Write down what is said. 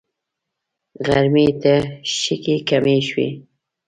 غرمې ته شګې کمې شوې.